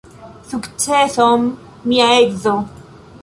Sukceson, mia edzo!